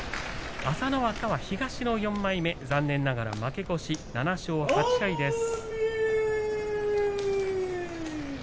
朝乃若が東の４枚目で残念ながら負け越し、７勝８敗です。